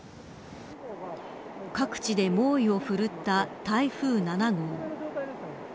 各地で猛威を振るった台風７号。